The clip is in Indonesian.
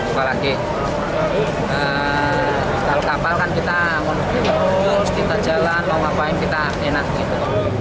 apalagi kalau kapal kan kita rumus kita jalan mau ngapain kita enak gitu